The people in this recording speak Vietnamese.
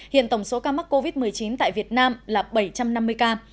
hiện tổng số ca mắc covid một mươi chín tại việt nam là bảy trăm năm mươi ca